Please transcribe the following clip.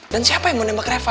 dan siapa yang mau nembak reva